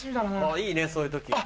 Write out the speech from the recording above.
いいねそういう時。